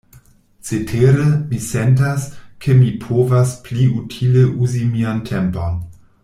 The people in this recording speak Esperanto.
Cetere, mi sentas, ke mi povas pli utile uzi mian tempon.